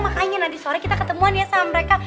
makanya nanti sore kita ketemuan ya sama mereka